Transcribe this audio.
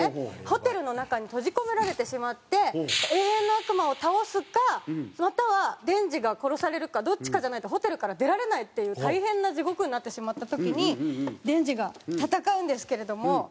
ホテルの中に閉じ込められてしまって永遠の悪魔を倒すかまたはデンジが殺されるかどっちかじゃないとホテルから出られないっていう大変な地獄になってしまった時にデンジが戦うんですけれども。